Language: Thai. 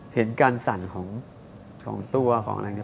เห็นการสั่นของตัวของอะไรอย่างนี้